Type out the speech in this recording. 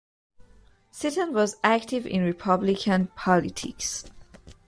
Seaton was active in Republican politics.